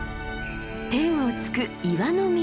天を突く岩の峰。